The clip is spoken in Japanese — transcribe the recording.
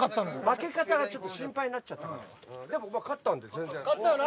負け方がちょっと心配になっちゃったからここは勝ったんで全然勝ったよな